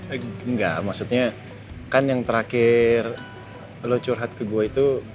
enggak maksudnya kan yang terakhir lo curhat ke gue itu